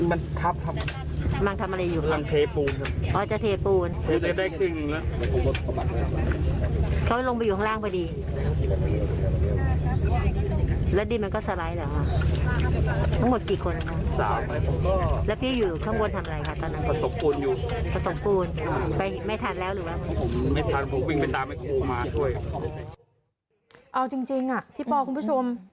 เอาจริงพี่ปอคุณผู้ชม